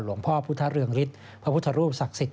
หลวงพ่อพุทธเรืองฤทธิ์พระพุทธรูปศักดิ์สิทธิ